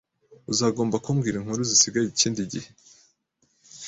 Uzagomba kumbwira inkuru zisigaye ikindi gihe.